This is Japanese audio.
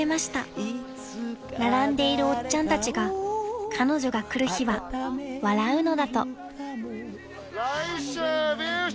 ［並んでいるおっちゃんたちが彼女が来る日は笑うのだと］